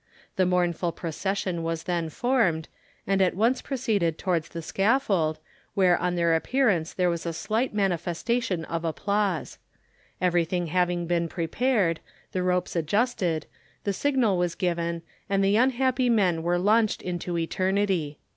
The mournful procession was then formed, and at once proceeded towards the scaffold, where on their appearance there was a slight manifestation of applause. Everything having been prepared, the ropes adjusted, the signal was given, and the unhappy men were launched into eternity.